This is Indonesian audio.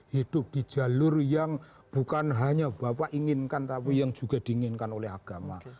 hidup di jalur yang bukan hanya bapak inginkan tapi yang juga diinginkan oleh agama